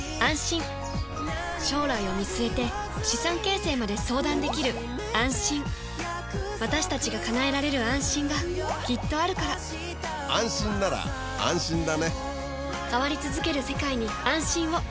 将来を見据えて資産形成まで相談できる「あんしん」私たちが叶えられる「あんしん」がきっとあるから変わりつづける世界に、「あんしん」を。